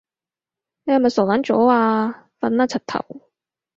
你係咪傻撚咗啊？瞓啦柒頭